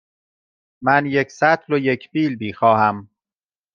من یک سطل و یک بیل می خواهم.